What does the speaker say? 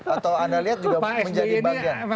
atau anda lihat juga menjadi bagian